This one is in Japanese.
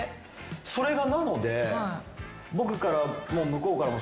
それがなので僕からも向こうからも。